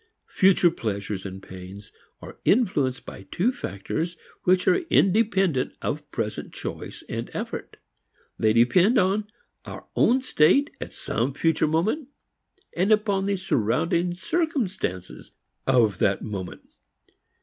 Future pleasures and pains are influenced by two factors which are independent of present choice and effort. They depend upon our own state at some future moment and upon the surrounding circumstances of that moment.